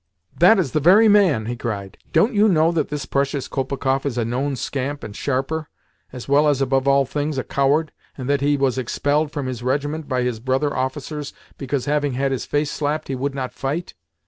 "That is the very man!" he cried. "Don't you know that this precious Kolpikoff is a known scamp and sharper, as well as, above all things, a coward, and that he was expelled from his regiment by his brother officers because, having had his face slapped, he would not fight?